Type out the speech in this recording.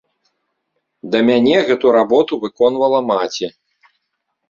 Да мяне гэту работу выконвала маці.